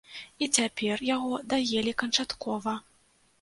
І цяпер яго даелі канчаткова.